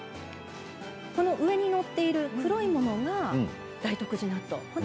上に載っている黒いものが大徳寺納豆です。